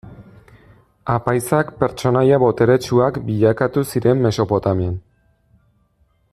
Apaizak pertsonaia boteretsuak bilakatu ziren Mesopotamian.